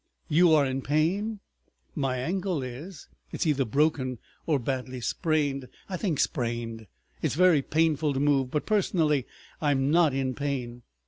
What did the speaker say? "You are in pain?" "My ankle is! It's either broken or badly sprained—I think sprained; it's very painful to move, but personally I'm not in pain.